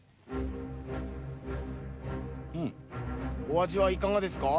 お味はいかがですか？